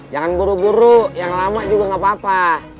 jangan buru buru yang lama juga gapapa